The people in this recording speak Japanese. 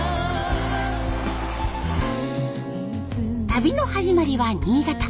旅の始まりは新潟。